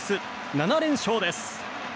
７連勝です。